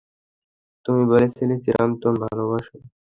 তুই বলেছিলি চিরন্তন ভালোবাসা।